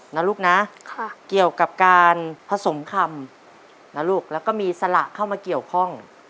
นะลูกนะเกี่ยวกับการผสมคำนะลูกแล้วก็มีสละเข้ามาเกี่ยวข้อง